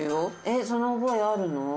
えっその覚えあるの？